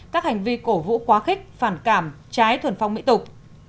các hành vi cổ vũ quá khích phản cảm trái thuần phong mỹ tục